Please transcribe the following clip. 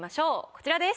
こちらです。